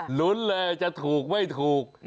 ลุ้นเลยจะถูกไม่ถูก